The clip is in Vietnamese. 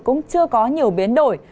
cũng chưa có nhiều biến đổi